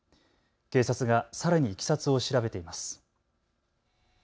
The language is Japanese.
警察がさらにいきさつを調べています。